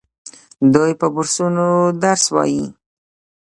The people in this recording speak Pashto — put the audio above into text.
دوی په بورسونو درس وايي.